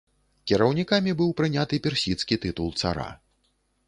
Кіраўнікамі быў прыняты персідскі тытул цара.